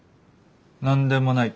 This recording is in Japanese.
何でもない。